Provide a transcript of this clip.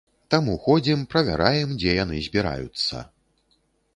Таму ходзім, правяраем, дзе яны збіраюцца.